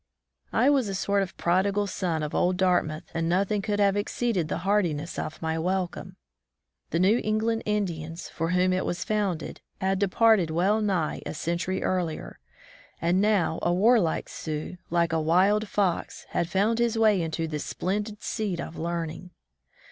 I was a sort of prodigal son of old Dart mouth, and nothing could have exceeded the heartiness of my welcome. The New England Indians, for whom it was founded, had departed well nigh a century earlier, and now a warlike Sioux, like a wild fox, had found his way into this splendid seat of learning